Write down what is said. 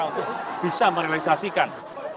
untuk bisa merealisasikan